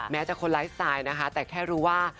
แม้จะคนไลฟ์สไตล์นะคะแต่แค่รู้ว่า